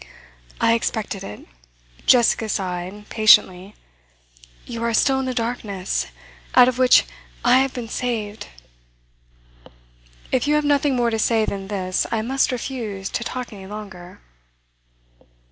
'I expected it,' Jessica sighed patiently. 'You are still in the darkness, out of which I have been saved.' 'If you have nothing more to say than this, I must refuse to talk any longer.